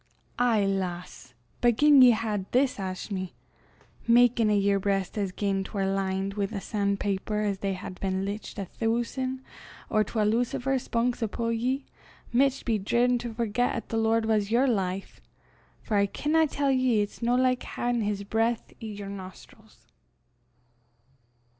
"Ay, lass! but gien ye hed this ashmy, makin' a' yer breist as gien 'twar lined wi' the san' paper 'at they hed been lichtin' a thoosan' or twa lucifer spunks upo' ye micht be driven to forget 'at the Lord was yer life for I can tell ye it's no like haein his breith i' yer nostrils."